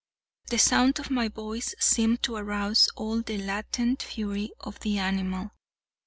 The sound of my voice seemed to arouse all the latent fury of the animal.